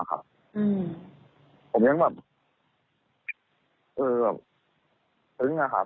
ผมยังแบบตื่นมาครับ